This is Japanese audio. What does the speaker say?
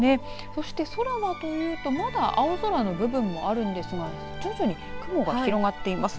そして空はというとまだ青空の部分もあるんですが徐々に雲が広がっています。